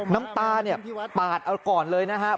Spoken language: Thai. น้ำตาเนี่ยปาดเอาก่อนเลยนะครับ